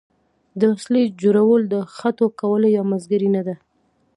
د وسلې جوړول د خټو کولالي یا مسګري نه ده.